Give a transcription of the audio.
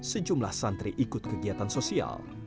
sejumlah santri ikut kegiatan sosial